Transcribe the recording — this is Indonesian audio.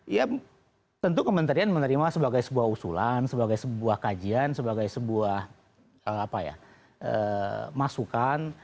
ya tentu kementerian menerima sebagai sebuah usulan sebagai sebuah kajian sebagai sebuah masukan